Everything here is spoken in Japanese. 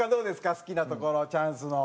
好きなところチャンスの。